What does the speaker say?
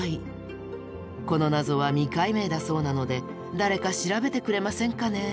この謎は未解明だそうなので誰か調べてくれませんかね。